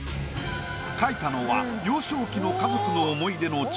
描いたのは幼少期の家族の思い出の地